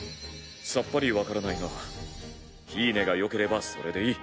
さっぱり分からないがフィーネがよければそれでいい。